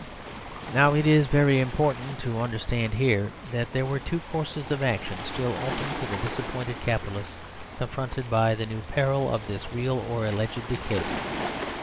Now, it is very important to understand here that there were two courses of action still open to the disappointed capitalist confronted by the new peril of this real or alleged decay.